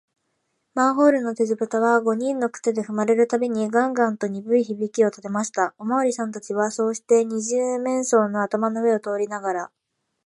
マンホールの鉄ぶたは、五人の靴でふまれるたびに、ガンガンとにぶい響きをたてました。おまわりさんたちは、そうして、二十面相の頭の上を通りながら、